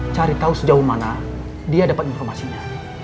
cari tahu sejauh mana dia dapat informasinya